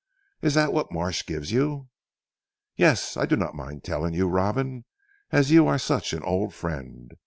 "Is that what Marsh gives you?" "Yes! I do not mind telling you Robin as you are such an old friend.